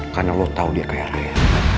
karena lo tau dia kayak raya